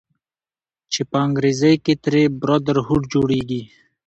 چې په انګريزۍ کښې ترې Brotherhood جوړيږي